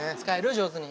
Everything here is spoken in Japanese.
上手に。